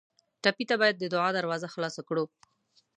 ټپي ته باید د دعا دروازه خلاصه کړو.